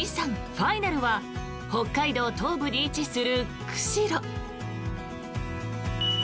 ファイナルは北海道東部に位置する釧路。